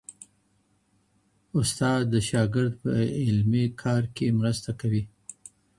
استاد د شاګرد په علمي کار کي مرسته کوي.